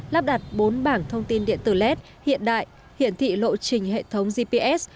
lắp đặt bốn bảng thông tin điện tử led hiện đại hiển thị lộ trình hệ thống gps